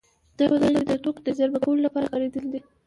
دا ودانۍ د توکو د زېرمه کولو لپاره کارېدلې